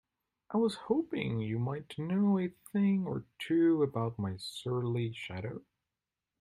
I was hoping you might know a thing or two about my surly shadow?